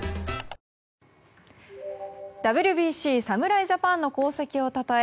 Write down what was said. ＷＢＣ侍ジャパンの功績をたたえ